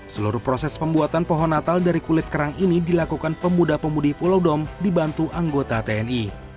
seluruh proses pembuatan pohon natal dari kulit kerang ini dilakukan pemuda pemudi pulau dom dibantu anggota tni